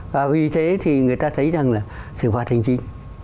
và vì thế thì người ta thấy rằng là xử phạt hành chính